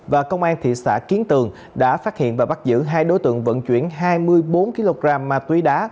và công an thị xã kiến tường đã phát hiện và bắt giữ hai đối tượng vận chuyển hai mươi bốn kg ma túy đá